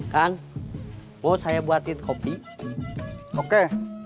kan mau saya buatin copy oke